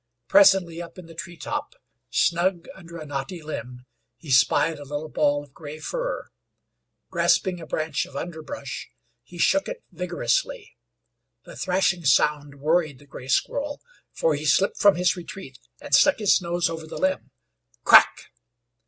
Presently up in the tree top, snug under a knotty limb, he spied a little ball of gray fur. Grasping a branch of underbush, he shook it vigorously. The thrashing sound worried the gray squirrel, for he slipped from his retreat and stuck his nose over the limb. CRACK!